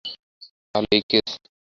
তাহলে এই কেস!